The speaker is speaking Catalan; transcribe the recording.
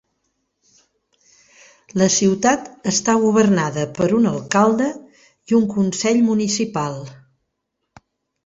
La ciutat està governada per un alcalde i un consell municipal.